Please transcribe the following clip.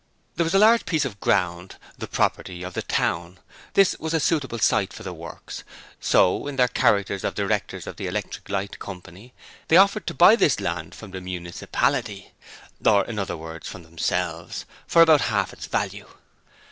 There was a large piece of ground, the property of the town, that was a suitable site for the works; so in their character of directors of the Electric Light Coy. they offered to buy this land from the Municipality or, in other words, from themselves for about half its value.